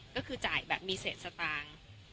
ก็คือจ่ายแบบมีเศษสตางค์